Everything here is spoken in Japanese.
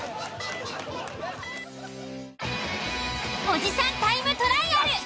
おじさんタイムトライアル。